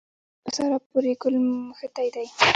په سارا پورې ګل مښتی دی.